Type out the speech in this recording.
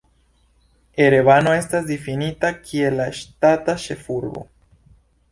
Erevano estas difinita kiel la ŝtata ĉefurbo.